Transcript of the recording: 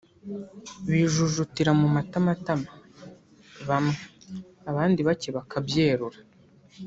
bijujutira mu matamatama bamwe abandi bacye bakabyerura